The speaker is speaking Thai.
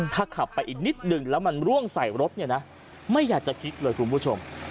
ถ้าขับไปอีกนิดนึงแล้วมันร่วงใส่รถเนี่ยนะไม่อยากจะคิดเลยคุณผู้ชม